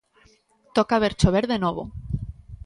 Toca ver chover de novo.